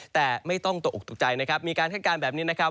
แต่ไม่ต้องตกออกตกใจนะครับมีการคาดการณ์แบบนี้นะครับ